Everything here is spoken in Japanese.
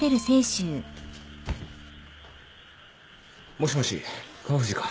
もしもし川藤か。